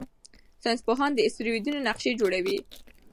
ساینسپوهان د اسټروېډونو نقشې جوړوي.